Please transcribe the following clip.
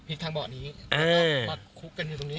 พลิกทางเบาะนี้มาคุกกันอยู่ตรงนี้